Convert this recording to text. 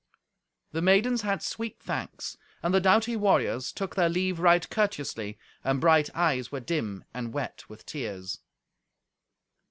The maidens had sweet thanks, and the doughty warriors took their leave right courteously, and bright eyes were dim and wet with tears.